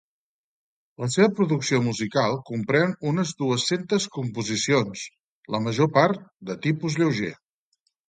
La seva producció musical comprèn unes dues-centes composicions, la major part de tipus lleuger.